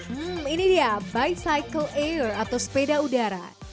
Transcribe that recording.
hmm ini dia bicycle air atau sepeda udara